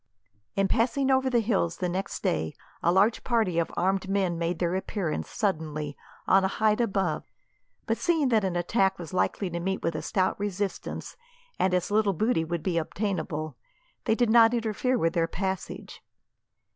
In passing over the hills the next day, a large party of armed men made their appearance, suddenly, on a height above; but, seeing that an attack was likely to meet with a stout resistance, and as little booty would be obtainable, they did not interfere with their passage.